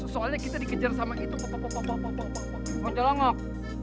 soalnya kita dikejar sama itu pocolongok